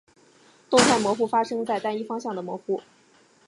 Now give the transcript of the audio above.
动态模糊发生在单一方向的模糊。